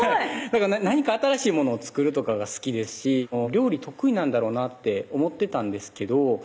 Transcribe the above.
何か新しいものを作るとかが好きですし料理得意なんだろうなって思ってたんですけど